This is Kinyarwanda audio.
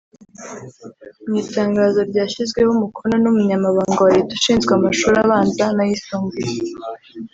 Mu itangazo ryashyizweho umukono n’Umunyamabanga wa Leta ushinzwe amashuri abanza n’ayisumbuye